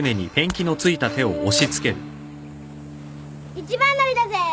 一番乗りだぜぇ！